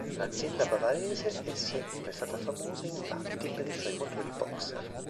L'azienda bavarese è sempre stata famosa infatti per i suoi motori boxer.